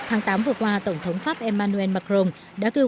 hợp tác cho âu và hợp tác cho âu